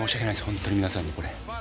本当に皆さんに。